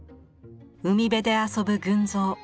海辺で遊ぶ群像。